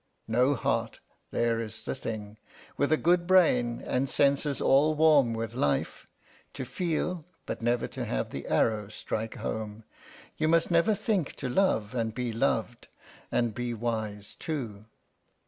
No heart there is the thing; with a good brain and senses all warm with life to feel, but never to have the arrow strike home. You must never think to love and be loved, and be wise too.